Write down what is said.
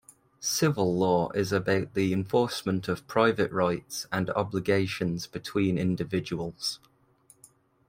Civil law is about the enforcement of private rights and obligations between individuals.